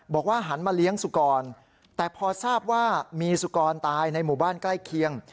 หันมาเลี้ยงสุกรแต่พอทราบว่ามีสุกรตายในหมู่บ้านใกล้เคียง